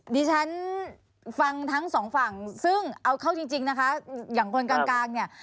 ดิฉันฟังทั้งสองฝั่งซึ่งเอาเข้าจริงนะคะอย่างคนกลางเนี่ย